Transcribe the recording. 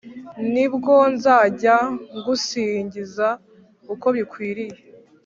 Nibwo nzajya ngusingiza uko bikwiriye